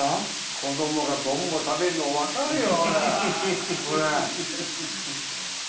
子どもがボンボン食べるのわかるよこれ。